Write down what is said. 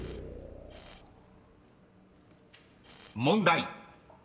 ［問題］